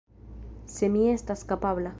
Se mi estas kapabla!